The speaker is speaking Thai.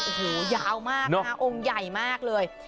โอ้โหยาวมากนะคะองค์ใหญ่มากเลย